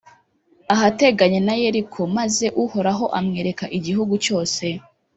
ahateganye na yeriko; maze uhoraho amwereka igihugu cyose: